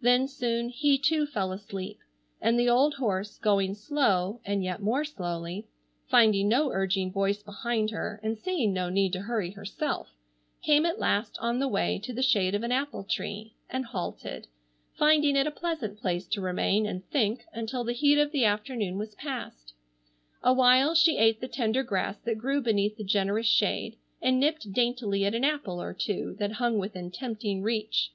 Then soon he too fell asleep, and the old horse, going slow, and yet more slowly, finding no urging voice behind her and seeing no need to hurry herself, came at last on the way to the shade of an apple tree, and halted, finding it a pleasant place to remain and think until the heat of the afternoon was passed. Awhile she ate the tender grass that grew beneath the generous shade, and nipped daintily at an apple or two that hung within tempting reach.